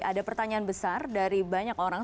ada pertanyaan besar dari banyak orang